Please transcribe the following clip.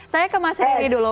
saya ke mas heri dulu